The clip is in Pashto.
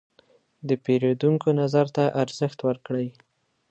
د پیرودونکو نظر ته ارزښت ورکړئ.